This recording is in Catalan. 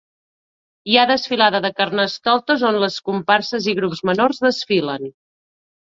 Hi ha desfilada de carnestoltes on les comparses i grups menors desfilen.